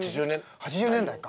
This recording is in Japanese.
８０年代か。